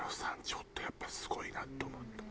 ちょっとやっぱすごいなと思った。